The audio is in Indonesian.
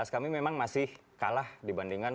kami memang masih kalah dibandingkan